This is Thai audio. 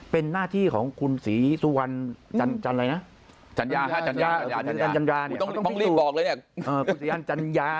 เป็นหน้าที่ของคุณศรีสุวรรณจัญญาเนี่ย